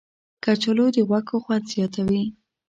کچالو د غوښو خوند زیاتوي